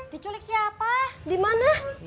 diculik siapa dimana